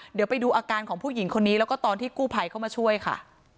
เดี๋ยวไปดูอาการของผู้หญิงคนนี้แล้วก็ตอนที่กู้ภัยเข้ามาช่วยค่ะ